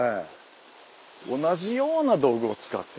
同じような道具を使って。